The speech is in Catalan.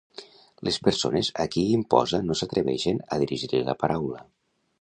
Les persones a qui imposa no s'atreveixen a dirigir-li la paraula.